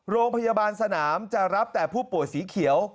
โรงพยาบาลสนามจะรับแต่ผู้ป่วยสีเขียว